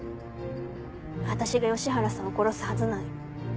私が吉原さんを殺すはずない。